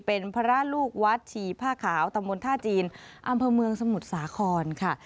เป็นพระลูกวัดฉี่ผ้าขาวตำบลท่าจีนอำเภอเมืองสมุทรสาครค่ะ